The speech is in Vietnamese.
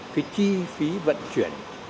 cái chi phí vận chuyển